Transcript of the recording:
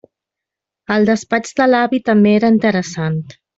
El despatx de l'avi també era interessant.